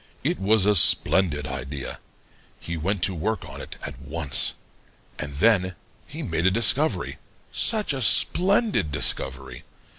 It was a splendid idea! He went to work on it at once. And then he made a discovery such a splendid discovery!